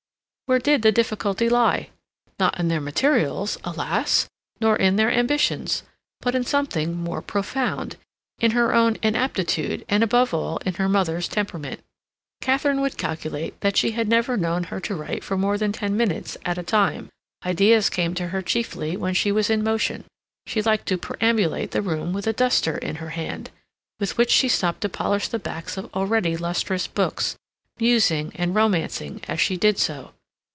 Where did the difficulty lie? Not in their materials, alas! nor in their ambitions, but in something more profound, in her own inaptitude, and above all, in her mother's temperament. Katharine would calculate that she had never known her write for more than ten minutes at a time. Ideas came to her chiefly when she was in motion. She liked to perambulate the room with a duster in her hand, with which she stopped to polish the backs of already lustrous books, musing and romancing as she did so.